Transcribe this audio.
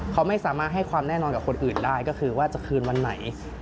เขาไม่สามารถให้ความแน่นอนกับคนอื่นได้ก็คือว่าจะคืนวันไหน